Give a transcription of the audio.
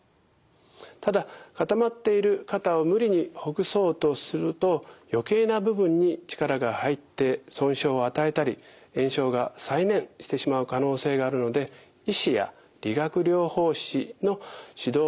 ただ固まっている肩を無理にほぐそうとすると余計な部分に力が入って損傷を与えたり炎症が再燃してしまう可能性があるのではい。